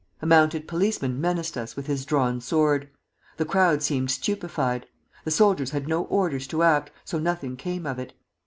A mounted policeman menaced us with his drawn sword. The crowd seemed stupefied.... The soldiers had no orders to act, so nothing came of it.